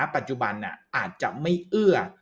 ปัจจุบันอาจจะไม่เอื้อ